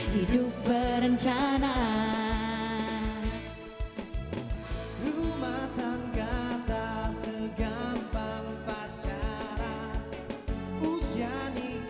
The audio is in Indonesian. hidup berencana itu keren